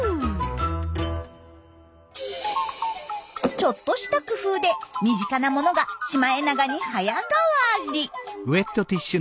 ちょっとした工夫で身近なものがシマエナガに早変わり！